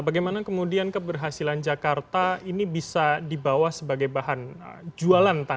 bagaimana kemudian keberhasilan jakarta ini bisa dibawa sebagai bahan jualan